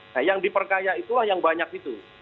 nah yang diperkaya itulah yang banyak itu